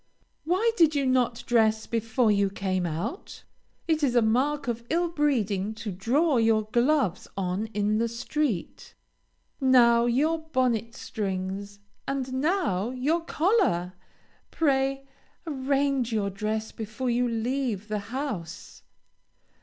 Why did you not dress before you came out? It is a mark of ill breeding to draw your gloves on in the street. Now your bonnet strings, and now your collar! Pray arrange your dress before you leave the house!